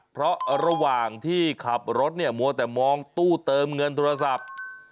เพราะระหว่างที่ขับรถเนี่ยมัวแต่มองตู้เติมเงินโทรศัพท์